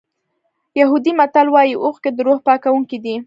یهودي متل وایي اوښکې د روح پاکوونکي دي.